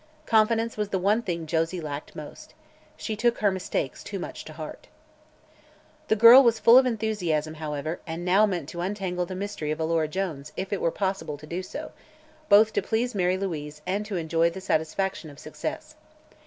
Confidence was the one thing Josie lacked most. She took her mistakes too much to heart. The girl was full of enthusiasm, however, and now meant to untangle the mystery of Alora Jones if it were possible to do so, both to please Mary Louise and to enjoy the satisfaction of success.